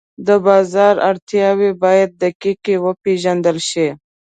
د بازار اړتیاوې باید دقیقې وپېژندل شي.